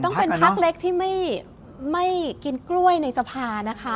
ต้องเป็นพักเล็กที่ไม่กินกล้วยในสภานะคะ